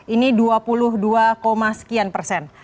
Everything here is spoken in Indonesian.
ini dua puluh dua sekian persen